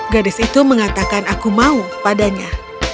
gadis itu mengatakan aku mau padanya